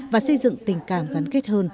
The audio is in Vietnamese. và xây dựng tình cảm gắn kết hơn